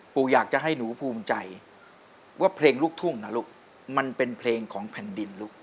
อยากจะให้หนูภูมิใจว่าเพลงลูกทุ่งนะลูกมันเป็นเพลงของแผ่นดินลูก